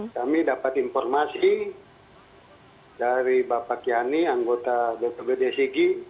kami dapat informasi dari bapak kiani anggota bpbd sigi